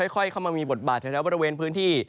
ค่อยเข้ามามีบทบาทแถวบริเวณพื้นที่